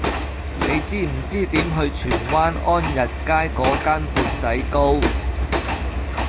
你知唔知點去荃灣安逸街嗰間缽仔糕